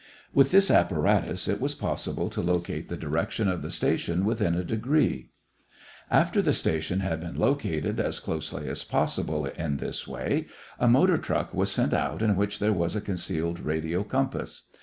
With this apparatus it was possible to locate the direction of the station within a degree. After the station had been located as closely as possible in this way, a motor truck was sent out in which there was a concealed radio compass.